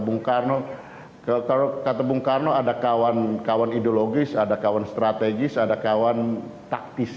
bung karno kalau kata bung karno ada kawan kawan ideologis ada kawan strategis ada kawan taktis